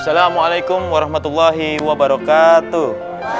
assalamualaikum warahmatullahi wabarakatuh